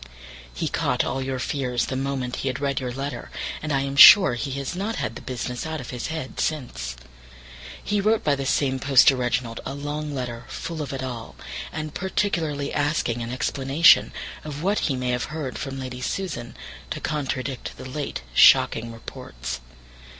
He caught all your fears the moment he had read your letter, and I am sure he has not had the business out of his head since. He wrote by the same post to Reginald a long letter full of it all, and particularly asking an explanation of what he may have heard from Lady Susan to contradict the late shocking reports.